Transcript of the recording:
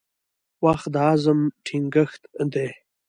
• وخت د عزم ټینګښت دی.